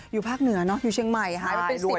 อยู่ภาคเหนือเชียงใหม่กว่า